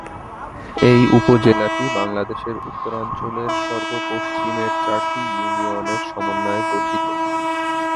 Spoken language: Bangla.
এই উপজেলাটি বাংলাদেশের উত্তরাঞ্চলের সর্ব পশ্চিমের চারটি ইউনিয়নের সমন্বয়ে গঠিত।